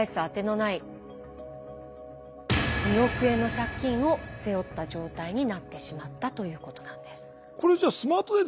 当てのない２億円の借金を背負った状態になってしまったということなんです。